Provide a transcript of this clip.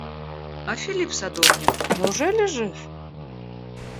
А Филипп садовник, неужели жив?